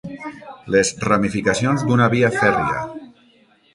Les ramificacions d'una via fèrria.